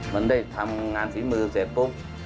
มันได้ทำงานฝีมือเสร็จปุ๊บ